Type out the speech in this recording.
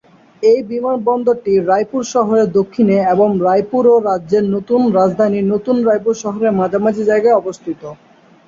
এই বিমানবন্দরটি রায়পুর শহরের দক্ষিণে এবং রায়পুর ও রাজ্যের নতুন রাজধানী নতুন রায়পুর শহরের মাঝামাঝি জায়গায় অবস্থিত।